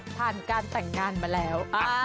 ผ่านการแต่งงานมาแล้ว